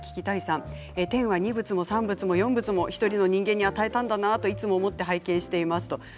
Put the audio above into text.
天は二物も三物も四物も１人の人間に与えたんだなと思っていつも拝見しています。